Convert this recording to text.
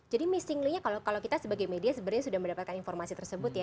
jadi missing linknya kalau kita sebagai media sebenarnya sudah mendapatkan informasi tersebut ya